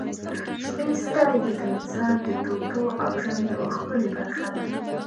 • شنې سترګې د انسان د ټوټو او ژوند یوه ښکلي برخه دي.